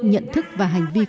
nhận thức và hành vi